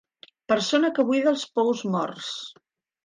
Persona que buida els pous morts.